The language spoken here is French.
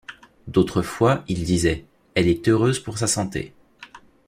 D’autres fois il disait: « Elle est heureuse pour sa santé.